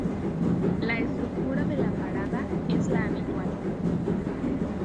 La estructura de la parada es la habitual.